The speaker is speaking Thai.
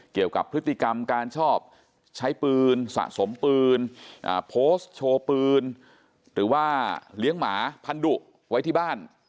เกี่ยวกับพฤติกรรมการชอบใช้ปืนสะสมปืนโพสต์โชว์ปืนหรือว่าเลี้ยงหมาพันธุไว้ที่บ้าน